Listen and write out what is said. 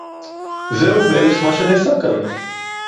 זַהוּ בְּעֵרֶךְ מָה שֶׁנַּעֲשָׂה כָּאן.